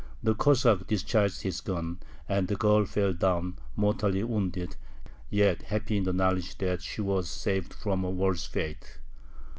The Cossack discharged his gun, and the girl fell down, mortally wounded, yet happy in the knowledge that she was saved from a worse fate.